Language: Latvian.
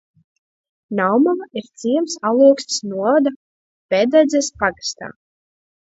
Naumova ir ciems Alūksnes novada Pededzes pagastā.